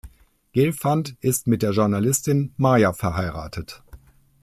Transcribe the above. Gelfand ist mit der Journalistin "Maya" verheiratet.